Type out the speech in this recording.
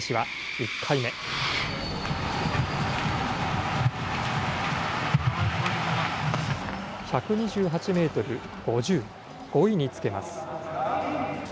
１２８メートル５０、５位につけます。